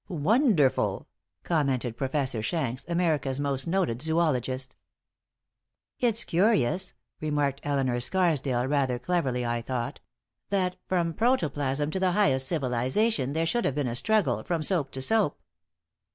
"Wonderful!" commented Professor Shanks, America's most noted zoölogist. "It's curious," remarked Elinor Scarsdale, rather cleverly, I thought, "that from protoplasm to the highest civilization there should have been a struggle from soap to soap."